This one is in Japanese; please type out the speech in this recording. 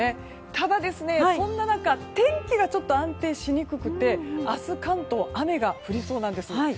ただ、そんな中天気がちょっと安定しにくくて明日、関東雨が降りそうなんです。